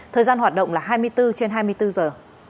thời gian hoạt động là hai mươi bốn trên hai mươi bốn giờ